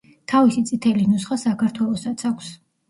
თავისი „წითელი ნუსხა“ საქართველოსაც აქვს.